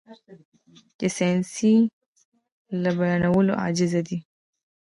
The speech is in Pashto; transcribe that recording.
چې ساينس يې له بيانولو عاجز دی.